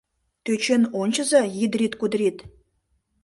Тӧчен ончыза, йидрит-кудрит!